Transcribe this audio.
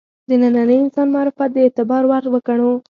د ننني انسان معرفت د اعتبار وړ وګڼو.